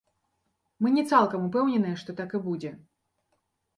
Мы не цалкам упэўненыя, што так і будзе.